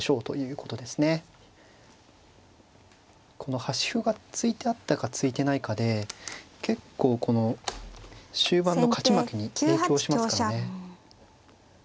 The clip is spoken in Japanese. この端歩が突いてあったか突いてないかで結構この終盤の勝ち負けに影響しますからね。